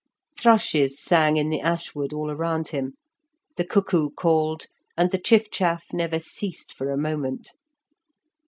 Thrushes sang in the ash wood all around him, the cuckoo called, and the chiff chaff never ceased for a moment.